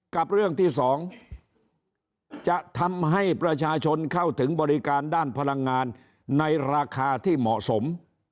กับเรื่องที่๒จะทำให้ประชาชนเข้าถึงบริการด้านพลังงานในราคาที่เหมาะสม